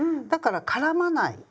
だから絡まない。